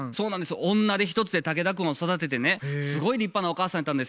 女手一つで竹田くんを育ててねすごい立派なお母さんやったんですよね。